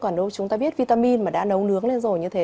còn chúng ta biết vitamin mà đã nấu nướng lên rồi như thế